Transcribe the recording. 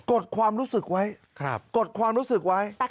กดความรู้สึกไว้แต่ข้างในเจ็บปวดนะพี่เบิ๊ด